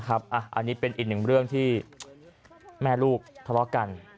อันนี้เป็นอีกหนึ่งเรื่องที่แม่ลูกทะเลาะกัน